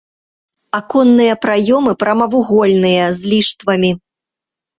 Аконныя праёмы прамавугольныя, з ліштвамі.